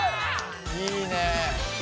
いいね。